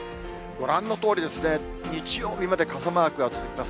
ご覧のとおりですね、日曜日まで傘マークが続きます。